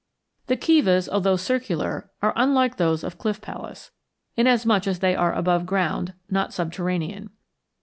The kivas, although circular, are unlike those of Cliff Palace, inasmuch as they are above ground, not subterranean.